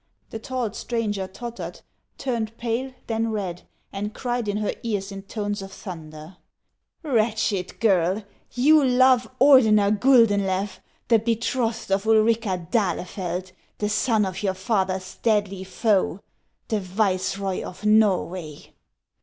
The tall stranger tottered, turned pale, then red, and cried in her ears in toues of thunder: "Wretched girl, you love Ordener Oul denlew, the betrothed of Ulrica d'Ahlefeld, the son of your father's deadly foe, the viceroy of Xorway